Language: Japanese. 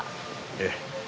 ええ。